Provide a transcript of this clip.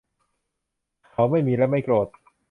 เขาไม่มีและไม่โกรธ